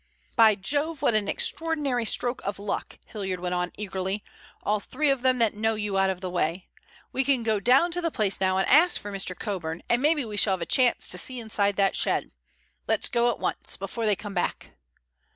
"By Jove, what an extraordinary stroke of luck!" Hilliard went on eagerly. "All three of them that know you out of the way! We can go down to the place now and ask for Mr. Coburn, and maybe we shall have a chance to see inside that shed. Let's go at once, before they come back."